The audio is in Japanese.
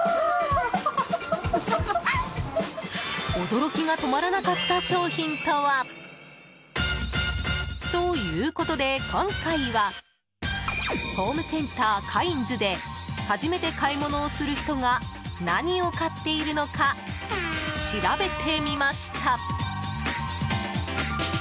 驚きが止まらなかった商品とは？ということで今回はホームセンターカインズで初めて買い物をする人が何を買っているのか調べてみました。